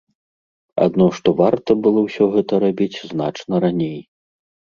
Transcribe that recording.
Адно што варта было ўсё гэта рабіць значна раней.